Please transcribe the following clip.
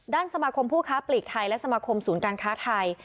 สมาคมผู้ค้าปลีกไทยและสมาคมศูนย์การค้าไทย